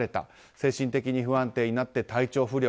精神的に不安定になって体調不良。